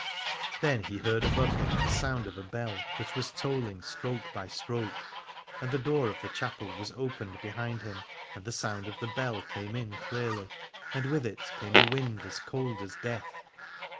Then he heard above him the sound of a bell that was tolling stroke by stroke, and the door of the chapel was opened behind him and the sound of the bell came in clearly, and with it came a wind as cold as death.